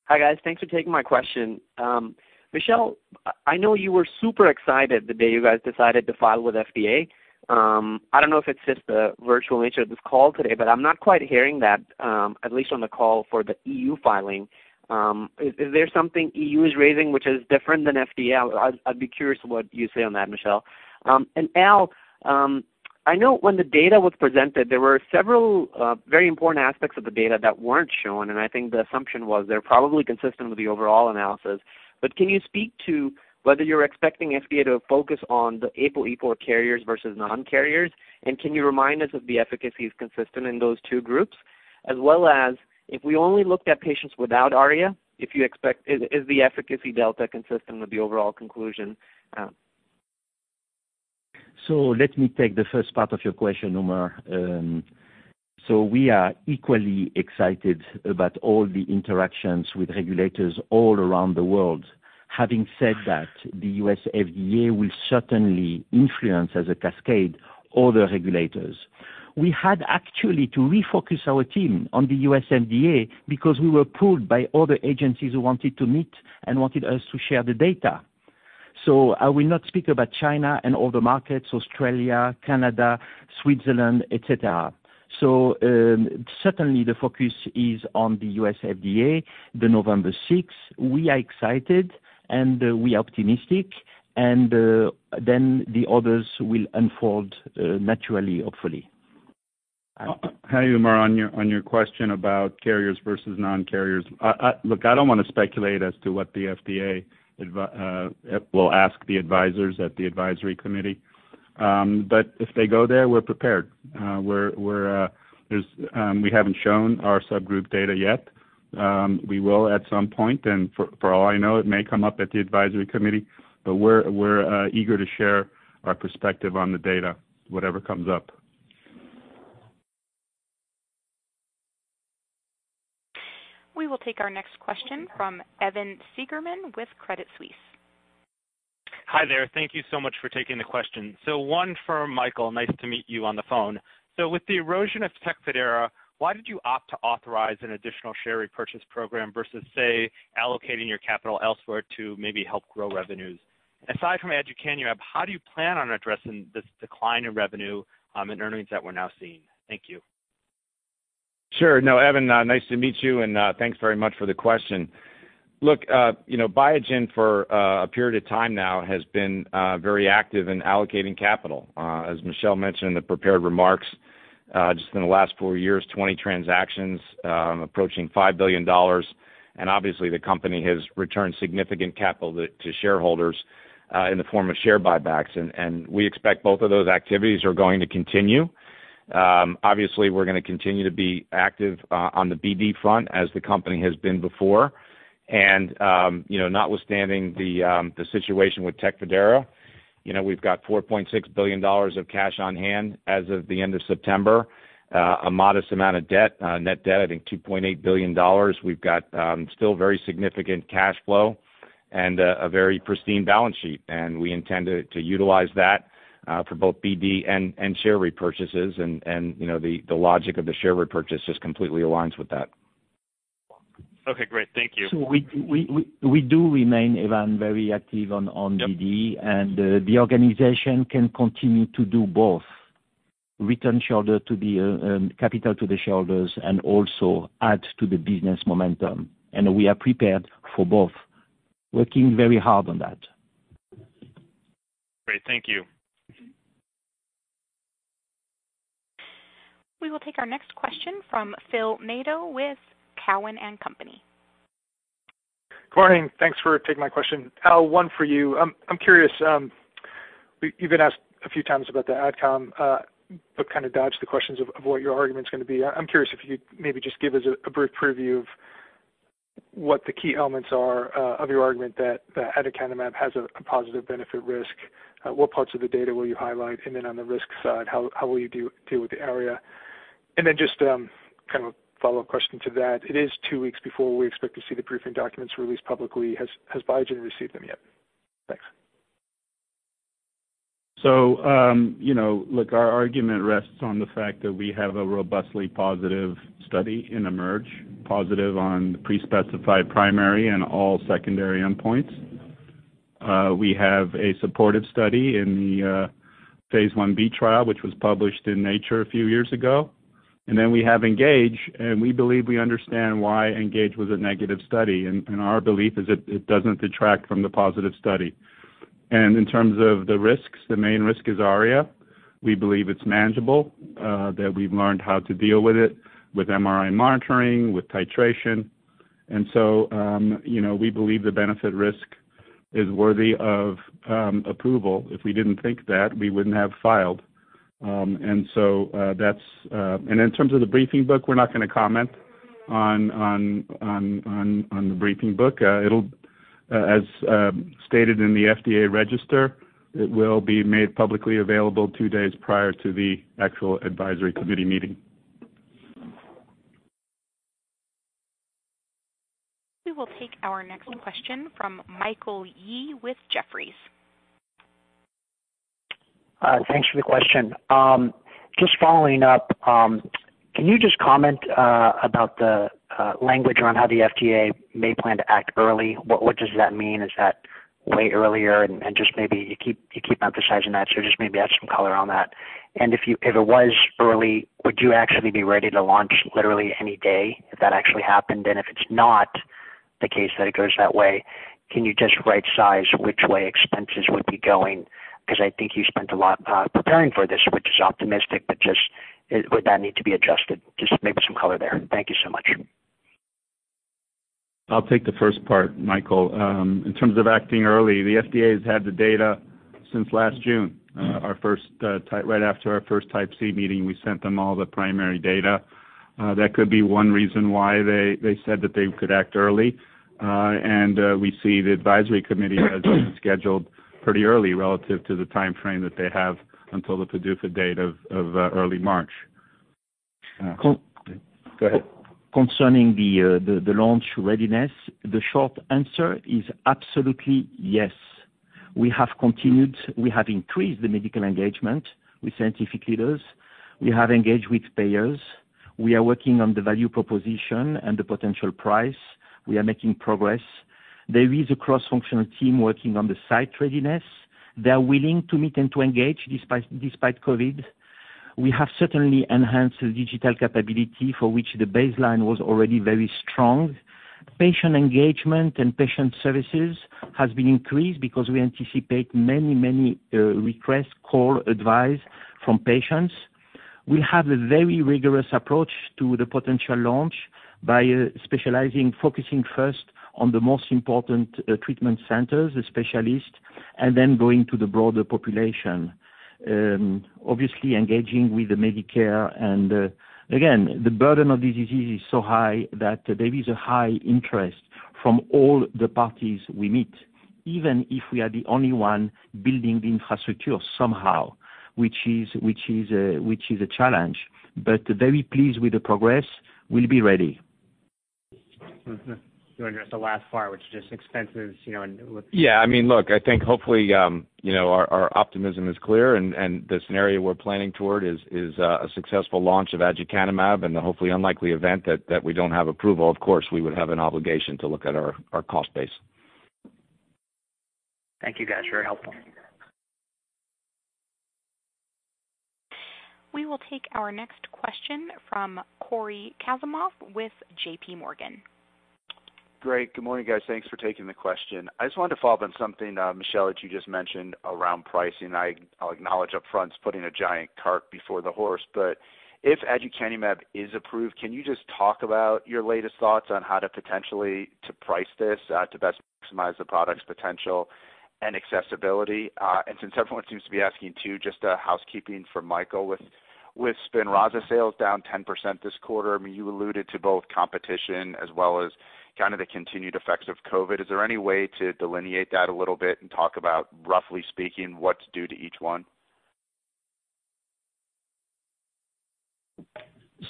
Hi, guys. Thanks for taking my question. Michel, I know you were super excited the day you guys decided to file with FDA. I don't know if it's just the virtual nature of this call today, but I'm not quite hearing that, at least on the call for the EMA filing. Is there something EMA is raising which is different than FDA? I'd be curious what you say on that, Michel. Al, I know when the data was presented, there were several very important aspects of the data that weren't shown, and I think the assumption was they're probably consistent with the overall analysis. Can you speak to whether you're expecting FDA to focus on the ApoE4 carriers versus non-carriers? Can you remind us if the efficacy is consistent in those two groups? If we only looked at patients without ARIA, is the efficacy delta consistent with the overall conclusion? Let me take the first part of your question, Umer. We are equally excited about all the interactions with regulators all around the world. Having said that, the U.S. FDA will certainly influence as a cascade other regulators. We had actually to refocus our team on the U.S. FDA because we were pulled by other agencies who wanted to meet and wanted us to share the data. I will not speak about China and other markets, Australia, Canada, Switzerland, et cetera. Certainly the focus is on the U.S. FDA, the November 6th. We are excited, and we are optimistic, and then the others will unfold naturally, hopefully. Hi, Umer. On your question about carriers versus non-carriers. Look, I don't want to speculate as to what the FDA will ask the advisors at the advisory committee. If they go there, we're prepared. We haven't shown our subgroup data yet. We will at some point, and for all I know, it may come up at the advisory committee, but we're eager to share our perspective on the data, whatever comes up. We will take our next question from Evan Seigerman with Credit Suisse. Hi there. Thank you so much for taking the question. One for Michael. Nice to meet you on the phone. With the erosion of TECFIDERA, why did you opt to authorize an additional share repurchase program versus, say, allocating your capital elsewhere to maybe help grow revenues? Aside from aducanumab, how do you plan on addressing this decline in revenue and earnings that we're now seeing? Thank you. Sure. No, Evan, nice to meet you, and thanks very much for the question. Look, Biogen for a period of time now has been very active in allocating capital. As Michel mentioned in the prepared remarks, just in the last four years, 20 transactions, approaching $5 billion. Obviously, the company has returned significant capital to shareholders in the form of share buybacks, and we expect both of those activities are going to continue. Obviously, we're going to continue to be active on the BD front as the company has been before. Notwithstanding the situation with TECFIDERA, we've got $4.6 billion of cash on hand as of the end of September. A modest amount of net debt, I think $2.8 billion. We've got still very significant cash flow and a very pristine balance sheet, and we intend to utilize that for both BD and share repurchases. The logic of the share repurchase just completely aligns with that. Okay, great. Thank you. We do remain, Evan, very active on BD. The organization can continue to do both. Return capital to the shareholders and also add to the business momentum. We are prepared for both. Working very hard on that. Great. Thank you. We will take our next question from Phil Nadeau with Cowen & Co. Good morning. Thanks for taking my question. Al, one for you. I'm curious. You've been asked a few times about the AdCom, kind of dodged the questions of what your argument's going to be. I'm curious if you'd maybe just give us a brief preview of what the key elements are of your argument that aducanumab has a positive benefit risk. What parts of the data will you highlight? On the risk side, how will you deal with the ARIA? Just kind of a follow-up question to that. It is two weeks before we expect to see the briefing documents released publicly. Has Biogen received them yet? Thanks. Look, our argument rests on the fact that we have a robustly positive study in EMERGE, positive on the pre-specified primary and all secondary endpoints. We have a supportive study in the phase I-B trial, which was published in Nature a few years ago. We have ENGAGE, and we believe we understand why ENGAGE was a negative study, and our belief is it doesn't detract from the positive study. In terms of the risks, the main risk is ARIA. We believe it's manageable, that we've learned how to deal with it with MRI monitoring, with titration. We believe the benefit risk is worthy of approval. If we didn't think that, we wouldn't have filed. In terms of the briefing book, we're not going to comment On the briefing book. As stated in the FDA register, it will be made publicly available two days prior to the actual advisory committee meeting. We will take our next question from Michael Yee with Jefferies. Thanks for the question. Just following up, can you just comment about the language around how the FDA may plan to act early? What does that mean? Is that way earlier? Just maybe you keep emphasizing that, so just maybe add some color on that. If it was early, would you actually be ready to launch literally any day if that actually happened? If it's not the case that it goes that way, can you just right size which way expenses would be going? Because I think you spent a lot preparing for this, which is optimistic, but just would that need to be adjusted? Just maybe some color there. Thank you so much. I'll take the first part, Michael. In terms of acting early, the FDA has had the data since last June. Right after our first Type C meeting, we sent them all the primary data. That could be one reason why they said that they could act early. We see the advisory committee has been scheduled pretty early relative to the timeframe that they have until the PDUFA date of early March. Go ahead. Concerning the launch readiness, the short answer is absolutely yes. We have increased the medical engagement with scientific leaders. We have engaged with payers. We are working on the value proposition and the potential price. We are making progress. There is a cross-functional team working on the site readiness. They are willing to meet and to engage despite COVID-19. We have certainly enhanced the digital capability for which the baseline was already very strong. Patient engagement and patient services has been increased because we anticipate many request call advice from patients. We have a very rigorous approach to the potential launch by specializing, focusing first on the most important treatment centers, the specialists, and then going to the broader population. Obviously engaging with the Medicare, again, the burden of this disease is so high that there is a high interest from all the parties we meet, even if we are the only one building the infrastructure somehow, which is a challenge. Very pleased with the progress. We'll be ready. You want to address the last part, which is just expenses. Look, I think hopefully, our optimism is clear and the scenario we're planning toward is a successful launch of aducanumab and the hopefully unlikely event that we don't have approval. Of course, we would have an obligation to look at our cost base. Thank you, guys. Very helpful. We will take our next question from Cory Kasimov with JPMorgan. Great. Good morning, guys. Thanks for taking the question. I just wanted to follow up on something, Michel, that you just mentioned around pricing. I'll acknowledge upfront it's putting a giant cart before the horse, but if aducanumab is approved, can you just talk about your latest thoughts on how to potentially to price this to best maximize the product's potential and accessibility? Since everyone seems to be asking too, just a housekeeping for Mike. With SPINRAZA sales down 10% this quarter, you alluded to both competition as well as kind of the continued effects of COVID. Is there any way to delineate that a little bit and talk about, roughly speaking, what's due to each one?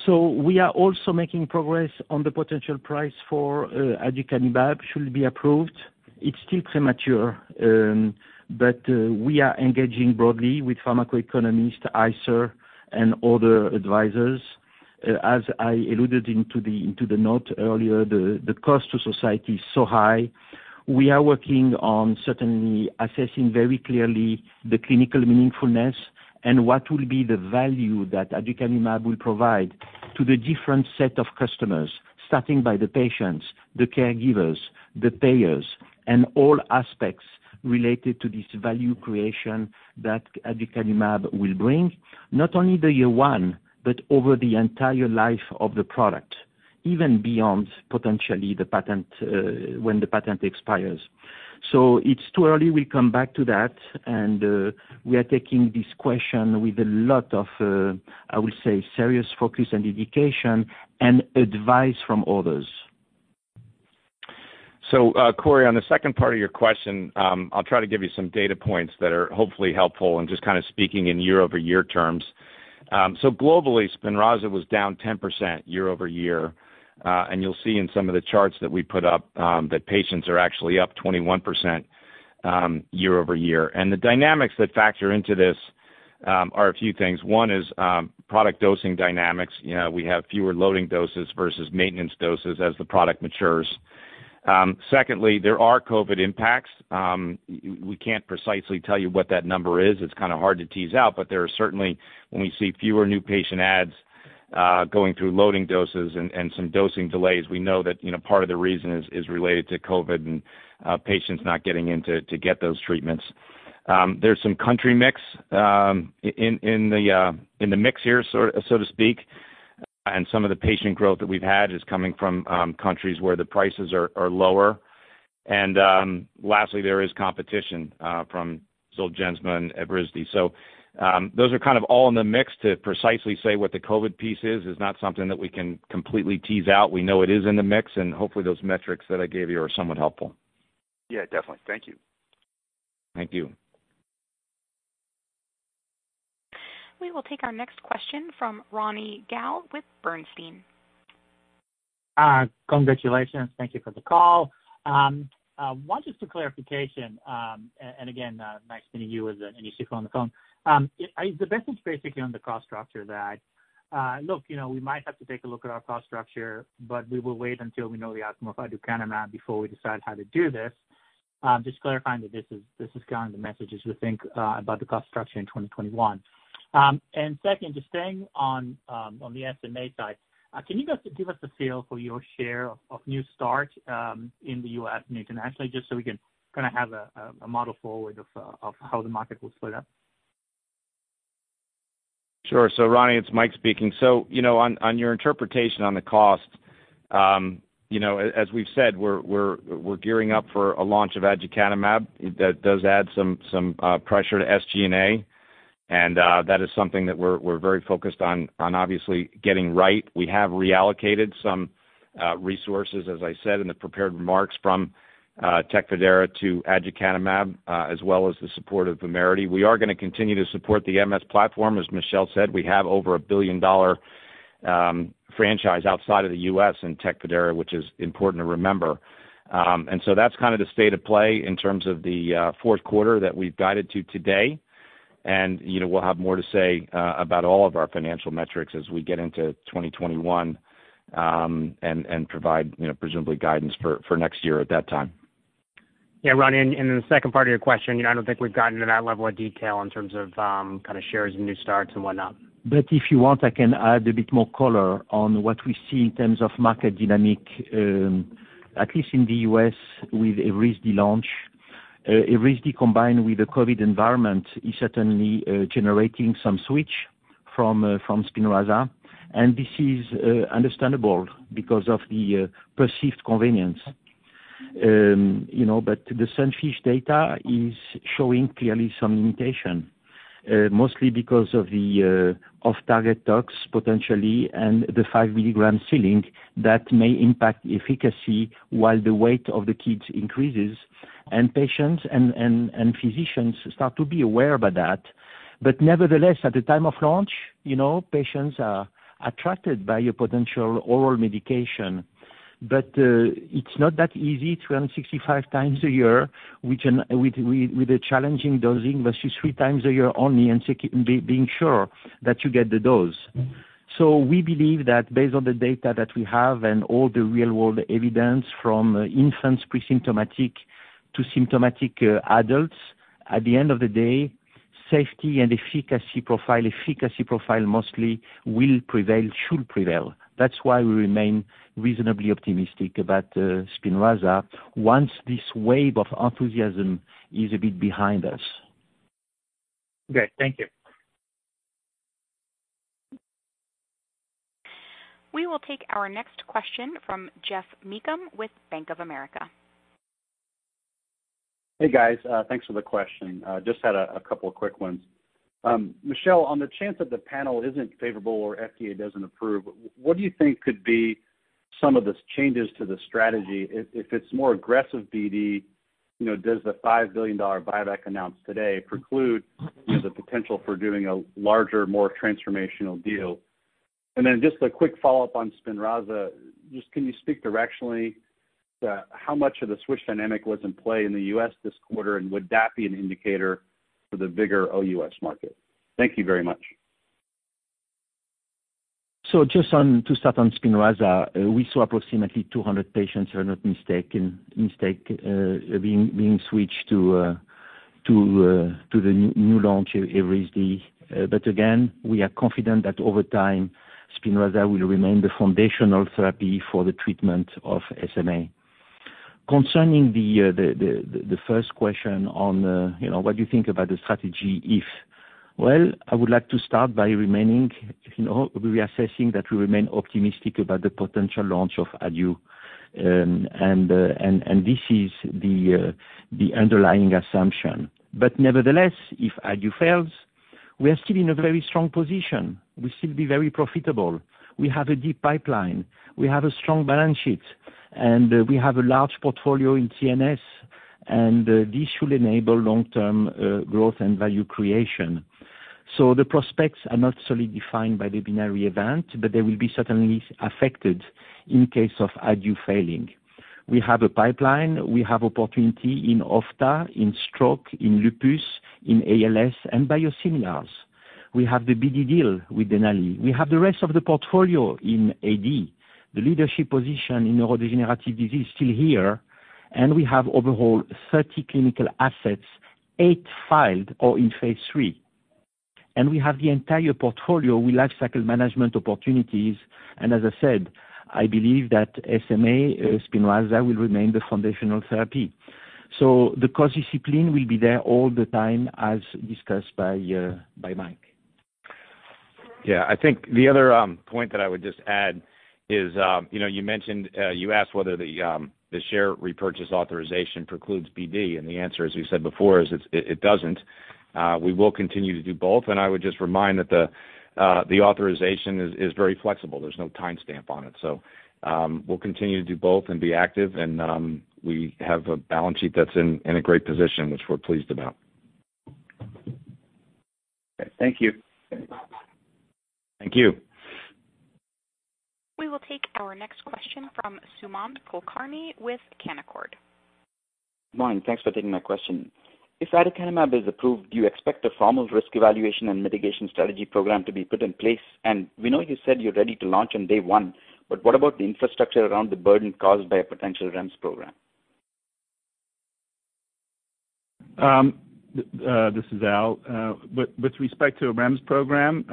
We are also making progress on the potential price for aducanumab should it be approved. It's still premature. We are engaging broadly with pharmacoeconomist ICER and other advisors. As I alluded into the note earlier, the cost to society is so high. We are working on certainly assessing very clearly the clinical meaningfulness and what will be the value that aducanumab will provide to the different set of customers, starting by the patients, the caregivers, the payers, and all aspects related to this value creation that aducanumab will bring, not only the year one, but over the entire life of the product, even beyond potentially when the patent expires. It's too early. We'll come back to that, and we are taking this question with a lot of, I would say, serious focus and dedication and advice from others. Cory, on the second part of your question, I'll try to give you some data points that are hopefully helpful and just kind of speaking in year-over-year terms. Globally, SPINRAZA was down 10% year-over-year. You'll see in some of the charts that we put up that patients are actually up 21% year-over-year. The dynamics that factor into this are a few things. One is product dosing dynamics. We have fewer loading doses versus maintenance doses as the product matures. Secondly, there are COVID impacts. We can't precisely tell you what that number is. It's kind of hard to tease out, but there are certainly when we see fewer new patient adds going through loading doses and some dosing delays, we know that part of the reason is related to COVID and patients not getting in to get those treatments. There's some country mix in the mix here, so to speak. Some of the patient growth that we've had is coming from countries where the prices are lower. Lastly, there is competition from ZOLGENSMA and Evrysdi. Those are kind of all in the mix to precisely say what the COVID piece is not something that we can completely tease out. We know it is in the mix, and hopefully those metrics that I gave you are somewhat helpful. Yeah, definitely. Thank you. Thank you. We will take our next question from Ronny Gal with Bernstein. Congratulations. Thank you for the call. Just for clarification, again, nice meeting you, as an [IC] on the phone. The message basically on the cost structure that we might have to take a look at our cost structure, we will wait until we know the outcome of aducanumab before we decide how to do this. Just clarifying that this is kind of the message as we think about the cost structure in 2021. Second, just staying on the SMA side, can you guys give us a feel for your share of new start in the U.S. and internationally, just so we can kind of have a model forward of how the market will split up? Sure. Ronny, it's Mike speaking. On your interpretation on the cost, as we've said, we're gearing up for a launch of aducanumab. That does add some pressure to SG&A, and that is something that we're very focused on obviously getting right. We have reallocated some resources, as I said in the prepared remarks, from TECFIDERA to aducanumab, as well as the support of VUMERITY. We are going to continue to support the MS platform. As Michel said, we have over a $1 billion franchise outside of the U.S. in TECFIDERA, which is important to remember. That's kind of the state of play in terms of the fourth quarter that we've guided to today. We'll have more to say about all of our financial metrics as we get into 2021, and provide presumably guidance for next year at that time. Yeah, Ronny, in the second part of your question, I don't think we've gotten to that level of detail in terms of shares and new starts and whatnot. If you want, I can add a bit more color on what we see in terms of market dynamic, at least in the U.S. with Evrysdi launch. Evrysdi combined with the COVID environment is certainly generating some switch from SPINRAZA, and this is understandable because of the perceived convenience. The SUNFISH data is showing clearly some limitation, mostly because of the off-target tox, potentially, and the five-milligram ceiling that may impact efficacy while the weight of the kids increases, and patients and physicians start to be aware about that. Nevertheless, at the time of launch, patients are attracted by a potential oral medication. It's not that easy, 265x a year with the challenging dosing versus three times a year only and being sure that you get the dose. We believe that based on the data that we have and all the real-world evidence from infants presymptomatic to symptomatic adults, at the end of the day, safety and efficacy profile, efficacy profile mostly will prevail, should prevail. That's why we remain reasonably optimistic about SPINRAZA once this wave of enthusiasm is a bit behind us. Great. Thank you. We will take our next question from Geoff Meacham with Bank of America. Hey, guys. Thanks for the question. Just had a couple of quick ones. Michel, on the chance that the panel isn't favorable or FDA doesn't approve, what do you think could be some of the changes to the strategy if it's more aggressive BD? Does the $5 billion buyback announced today preclude the potential for doing a larger, more transformational deal? Just a quick follow-up on SPINRAZA. Just can you speak directionally to how much of the switch dynamic was in play in the U.S. this quarter, and would that be an indicator for the bigger OUS market? Thank you very much. Just to start on SPINRAZA, we saw approximately 200 patients, if I'm not mistake, being switched to the new launch, Evrysdi. Again, we are confident that over time, SPINRAZA will remain the foundational therapy for the treatment of SMA. Concerning the first question on what you think about the strategy. I would like to start by reassessing that we remain optimistic about the potential launch of aducanumab. This is the underlying assumption. Nevertheless, if aducanumab fails, we are still in a very strong position. We still be very profitable. We have a deep pipeline. We have a strong balance sheet. We have a large portfolio in CNS, and this should enable long-term growth and value creation. The prospects are not solely defined by the binary event, but they will be certainly affected in case of aducanumab failing. We have a pipeline. We have opportunity in ophthalmology, in stroke, in lupus, in ALS, and biosimilars. We have the BD deal with Denali. We have the rest of the portfolio in AD. The leadership position in neurodegenerative disease still here. We have overall 30 clinical assets, eight filed or in phase III. We have the entire portfolio with lifecycle management opportunities. As I said, I believe that SMA SPINRAZA will remain the foundational therapy. The cost discipline will be there all the time, as discussed by Mike. I think the other point that I would just add is you asked whether the share repurchase authorization precludes BD, and the answer, as we said before, is it doesn't. We will continue to do both. I would just remind that the authorization is very flexible. There's no timestamp on it. We'll continue to do both and be active. We have a balance sheet that's in a great position, which we're pleased about. Okay. Thank you. Thank you. We will take our next question from Sumant Kulkarni with Canaccord. Good morning. Thanks for taking my question. If aducanumab is approved, do you expect a formal risk evaluation and mitigation strategy program to be put in place? We know you said you're ready to launch on day one, but what about the infrastructure around the burden caused by a potential REMS program? This is Al. With respect to a REMS program,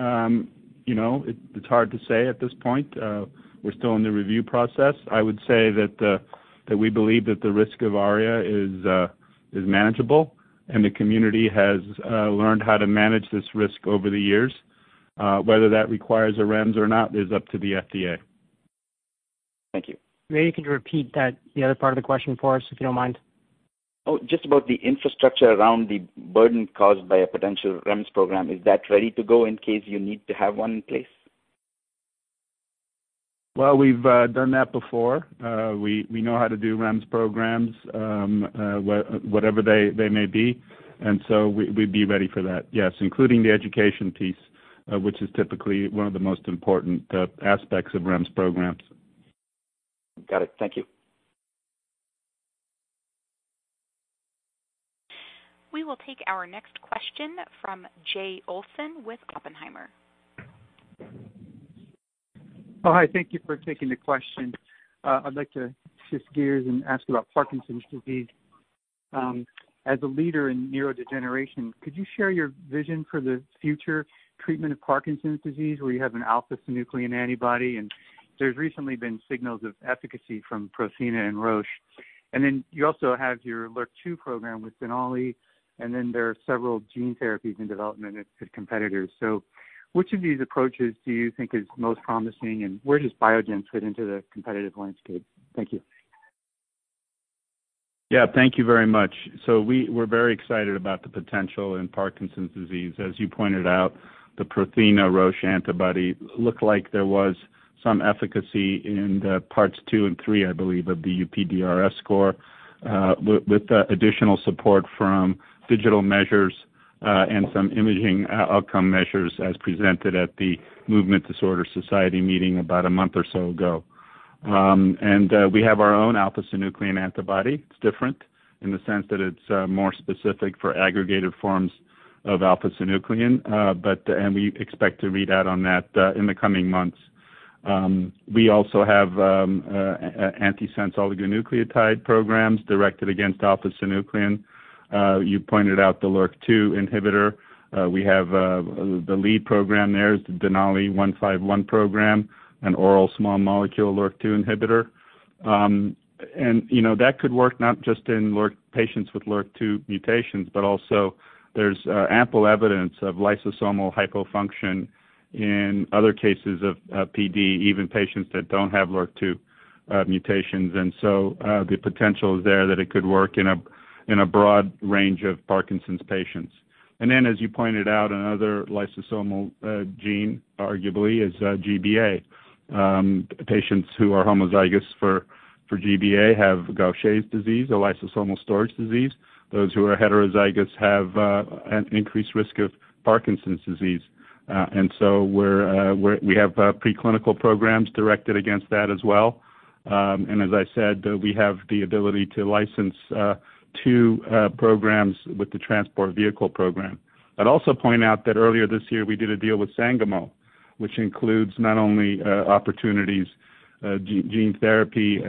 it's hard to say at this point. We're still in the review process. I would say that we believe that the risk of ARIA is manageable, and the community has learned how to manage this risk over the years. Whether that requires a REMS or not is up to the FDA. Thank you. Maybe you could repeat that, the other part of the question for us, if you don't mind. Just about the infrastructure around the burden caused by a potential REMS program. Is that ready to go in case you need to have one in place? Well, we've done that before. We know how to do REMS programs, whatever they may be. We'd be ready for that, yes, including the education piece, which is typically one of the most important aspects of REMS programs. Got it. Thank you. We will take our next question from Jay Olson with Oppenheimer. Hi. Thank you for taking the question. I'd like to shift gears and ask about Parkinson's disease. As a leader in neurodegeneration, could you share your vision for the future treatment of Parkinson's disease, where you have an alpha-synuclein antibody, and there's recently been signals of efficacy from Prothena and Roche. You also have your LRRK2 program with Denali, and then there are several gene therapies in development at competitors. Which of these approaches do you think is most promising, and where does Biogen fit into the competitive landscape? Thank you. Yeah. Thank you very much. We're very excited about the potential in Parkinson's disease. As you pointed out, the Prothena Roche antibody looked like there was some efficacy in the parts two and three, I believe, of the UPDRS score, with additional support from digital measures and some imaging outcome measures as presented at the Movement Disorder Society meeting about a month or so ago. We have our own alpha-synuclein antibody. It's different in the sense that it's more specific for aggregated forms of alpha-synuclein. We expect to read out on that in the coming months. We also have antisense oligonucleotide programs directed against alpha-synuclein. You pointed out the LRRK2 inhibitor. We have the lead program there is the DNL151 program, an oral small molecule LRRK2 inhibitor. That could work not just in patients with LRRK2 mutations, but also there's ample evidence of lysosomal hypofunction in other cases of PD, even patients that don't have LRRK2 mutations. The potential is there that it could work in a broad range of Parkinson's patients. As you pointed out, another lysosomal gene, arguably, is GBA. Patients who are homozygous for GBA have Gaucher disease, a lysosomal storage disease. Those who are heterozygous have an increased risk of Parkinson's disease. We have preclinical programs directed against that as well. As I said, we have the ability to license two programs with the Transport Vehicle program. I'd also point out that earlier this year, we did a deal with Sangamo, which includes not only opportunities gene therapy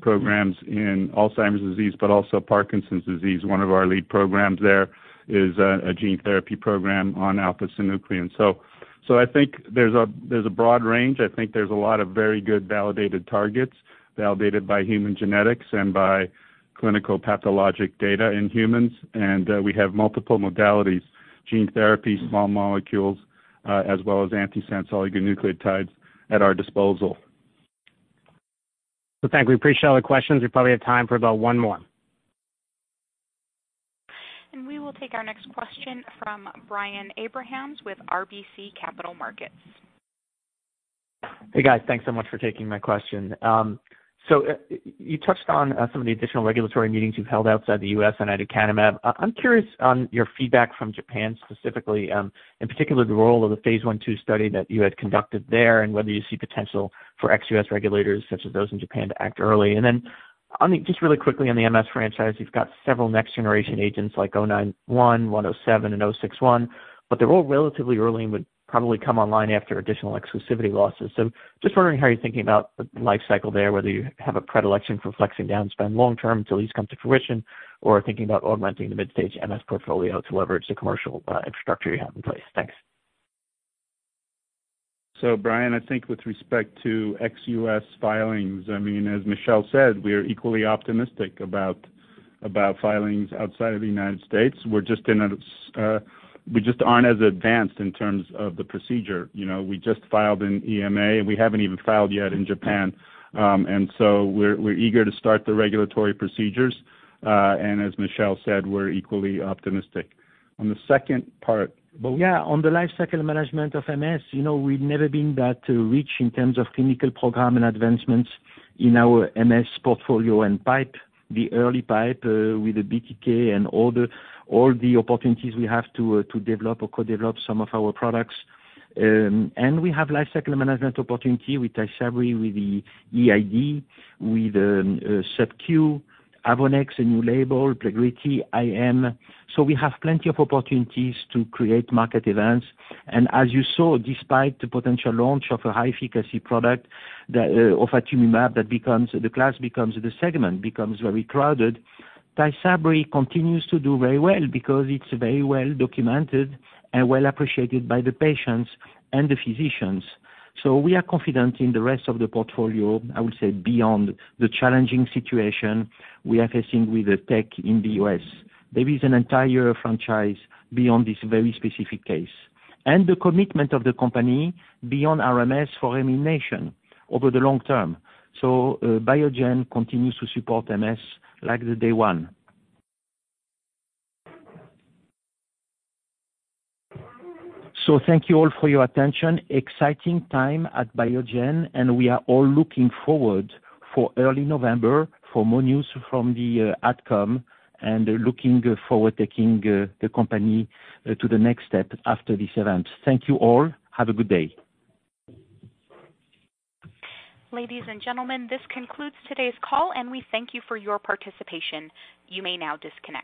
programs in Alzheimer's disease, but also Parkinson's disease. One of our lead programs there is a gene therapy program on alpha-synuclein. I think there's a broad range. I think there's a lot of very good validated targets, validated by human genetics and by clinical pathologic data in humans. We have multiple modalities, gene therapy, small molecules, as well as antisense oligonucleotides at our disposal. Thank you. Appreciate all the questions. We probably have time for about one more. We will take our next question from Brian Abrahams with RBC Capital Markets. Hey, guys. Thanks so much for taking my question. You touched on some of the additional regulatory meetings you've held outside the U.S. on aducanumab. I'm curious on your feedback from Japan specifically, in particular, the role of the phase I/II study that you had conducted there and whether you see potential for x U.S. regulators such as those in Japan to act early. Just really quickly on the MS franchise, you've got several next-generation agents like BIIB091, BIIB107, and BIIB061, but they're all relatively early and would probably come online after additional exclusivity losses. Just wondering how you're thinking about the life cycle there, whether you have a predilection for flexing down spend long-term till these come to fruition, or are thinking about augmenting the mid-stage MS portfolio to leverage the commercial infrastructure you have in place. Thanks. Brian, I think with respect to x U.S. filings, as Michel said, we are equally optimistic about filings outside of the United States. We just aren't as advanced in terms of the procedure. We just filed an EMA, and we haven't even filed yet in Japan. We're eager to start the regulatory procedures. As Michel said, we're equally optimistic. On the second part. Well, yeah, on the lifecycle management of MS, we've never been that rich in terms of clinical program and advancements in our MS portfolio and pipe, the early pipe, with the BTK and all the opportunities we have to develop or co-develop some of our products. We have lifecycle management opportunity with TYSABRI, with the EID, with Sub-Q, AVONEX, a new label, PLEGRIDY, IM. We have plenty of opportunities to create market events. As you saw, despite the potential launch of a high-efficacy product of ofatumumab, the segment becomes very crowded. TYSABRI continues to do very well because it's very well documented and well appreciated by the patients and the physicians. We are confident in the rest of the portfolio, I would say, beyond the challenging situation we are facing with the TEC in the U.S. There is an entire franchise beyond this very specific case. The commitment of the company beyond RMS for remyelination over the long term. Biogen continues to support MS like the day one. Thank you all for your attention. Exciting time at Biogen, and we are all looking forward for early November for more news from the outcome and looking forward taking the company to the next step after this event. Thank you all. Have a good day. Ladies and gentlemen, this concludes today's call, and we thank you for your participation. You may now disconnect.